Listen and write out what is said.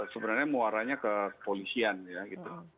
sebenarnya muaranya kepolisian ya gitu